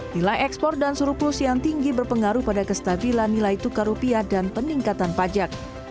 nilai ekspor dan surplus yang tinggi berpengaruh pada kestabilan nilai tukar rupiah dan peningkatan pajak